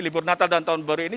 libur natal dan tahun baru ini